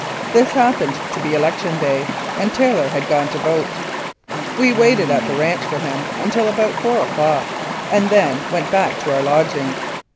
This happened to be election day, and Taylor had gone to vote. We waited at the ranch for him until about four o'clock, and then went back to our lodgings.